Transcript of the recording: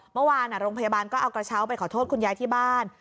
เมื่อวานโรงพยาบาลก็เอากระเช้าไปขอโทษคุณยายที่บ้าน